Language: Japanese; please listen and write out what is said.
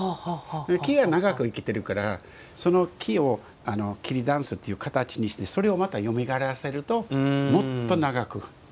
木は長く生きてるからその木を桐だんすっていう形にしてそれをまたよみがえらせるともっと長く生きるから。